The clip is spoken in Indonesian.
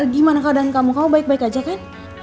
gimana keadaan kamu kamu baik baik aja kan